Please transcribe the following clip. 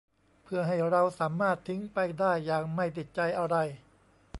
เพื่อให้เราสามารถทิ้งไปได้อย่างไม่ติดใจอะไร